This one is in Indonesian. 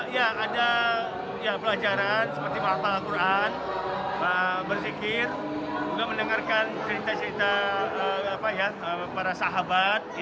saya berpikir juga mendengarkan cerita cerita para sahabat